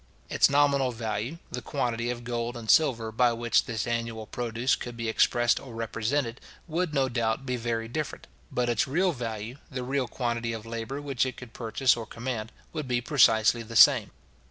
Its nominal value, the quantity of gold and silver by which this annual produce could be expressed or represented, would, no doubt, be very different; but its real value, the real quantity of labour which it could purchase or command, would be precisely the same.